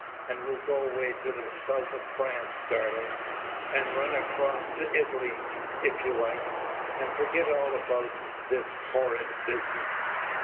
And we'll go away to the south of France, darling, and run across to Italy, if you like, and forget all about this horrid business."